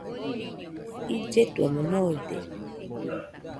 Illetuemo noide.